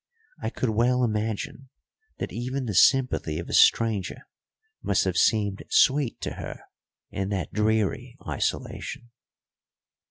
I could well imagine that even the sympathy of a stranger must have seemed sweet to her in that dreary isolation.